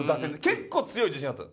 結構強い自信あった。